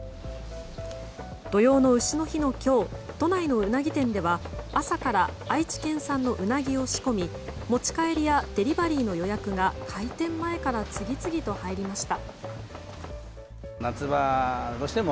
土用の丑の日の今日都内のウナギ店では朝から愛知県産のウナギを仕込み持ち帰りやデリバリーの予約が開店前から次々と入りました。